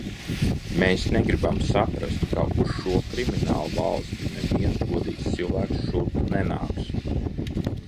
Mēs negribam saprast, ka uz šito kriminālvalsti neviens godīgs cilvēks šurp nenāks.